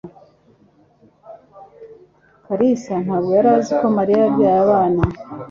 Kalisa ntabwo yari azi ko Mariya yabyaye abana.